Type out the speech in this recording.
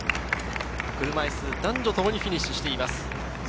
車いす男女ともにフィニッシュしています。